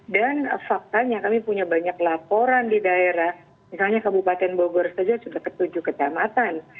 dan faktanya kami punya banyak laporan di daerah misalnya kabupaten bogor saja sudah ke tujuh kecamatan